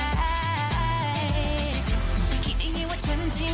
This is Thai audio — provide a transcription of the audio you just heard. อลาคนเนี่ยมันสวยทั้งเก่ง